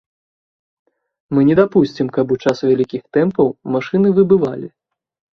Мы не дапусцім, каб у час вялікіх тэмпаў машыны выбывалі.